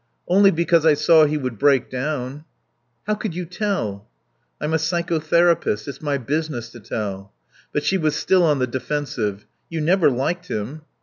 "Only because I saw he would break down." "How could you tell?" "I'm a psychotherapist. It's my business to tell." But she was still on the defensive. "You never liked him."